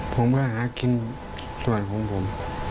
ผมก็หากินส่วนของผม